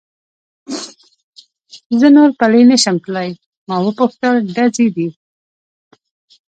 زه نور پلی نه شم تلای، ما و پوښتل: ډزې دي؟